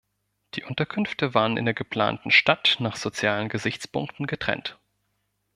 Die Unterkünfte waren in der geplanten Stadt nach sozialen Gesichtspunkten getrennt.